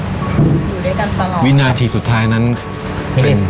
มิกันตลอดวินาทีสุดท้ายนั้นเป็น